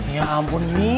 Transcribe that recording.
ya ampun mi